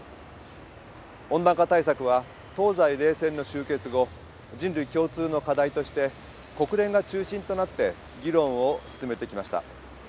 温暖化対策は東西冷戦の終結後人類共通の課題として国連が中心となって議論を進めてきました。